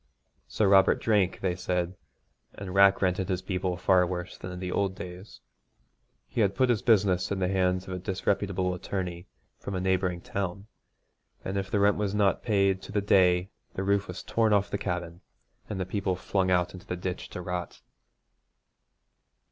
Sir Robert drank, they said, and rack rented his people far worse than in the old days. He had put his business in the hands of a disreputable attorney from a neighbouring town, and if the rent was not paid to the day the roof was torn off the cabin, and the people flung out into the ditch to rot.